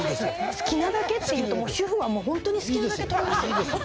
「好きなだけ」って言うと主婦はほんとに好きなだけ取りますよ。